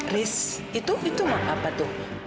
res itu map apa tuh